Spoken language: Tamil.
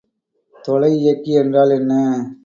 தொலைஇயக்கி என்றால் என்ன?